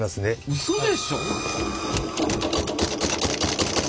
うそでしょ？